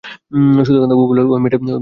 সুধাকান্তবাবু বললেন, ঐ মেয়েটার কথা শুনবেন?